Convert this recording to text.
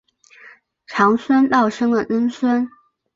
长孙道生的曾孙。